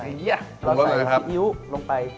เราใส่ซีอิ๊วลงไป